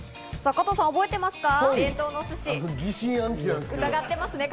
加藤さん、覚えていますか？